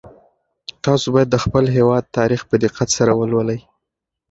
تاسو باید د خپل هېواد تاریخ په دقت سره ولولئ.